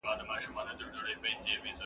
زه هره ورځ د زده کړو تمرين کوم؟!